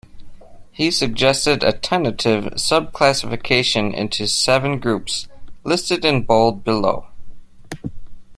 He suggested a tentative sub-classification into seven groups, listed in bold below.